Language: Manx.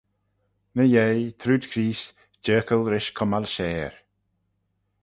Ny-yeih, trooid Chreest, jerkal rish cummal share.